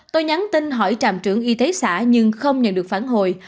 tôi nhắn tin hỏi trạm trưởng y tế xã nhưng không nhận được phản hồi